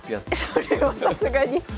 それはさすがに。